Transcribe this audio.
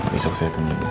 besok saya tunggu deh